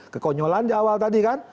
kekonyolan di awal tadi kan